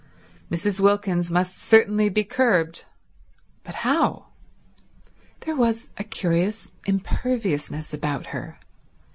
Mrs. Wilkins must certainly be curbed. But how? There was a curious imperviousness about her.